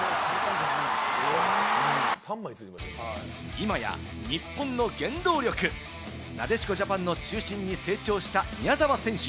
今や日本の原動力、なでしこジャパンの中心に成長した宮澤選手。